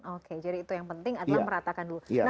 oke jadi itu yang penting adalah meratakan dulu